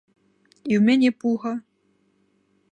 І ў мяне пуга.